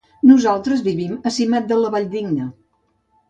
Nosaltres vivim a Simat de la Valldigna.